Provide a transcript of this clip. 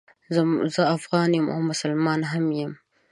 زه افغان یم او مسلمان هم یم